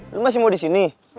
lo masih mau disini